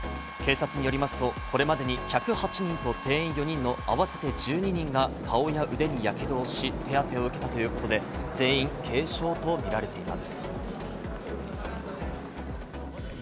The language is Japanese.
警察によりますと、これまでに客８人と店員４人のあわせて１２人が顔や腕にやけどをし、手当を受けたということで、全員軽傷とみられています。